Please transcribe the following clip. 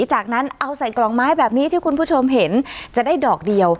จากนั้นเอาใส่กล่องไม้แบบนี้ที่คุณผู้ชมเห็นจะได้ดอกเดียว